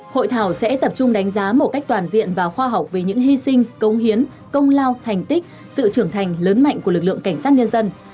hội thảo sẽ tập trung đánh giá một cách toàn diện và khoa học về những hy sinh công hiến công lao thành tích sự trưởng thành lớn mạnh của lực lượng cảnh sát nhân dân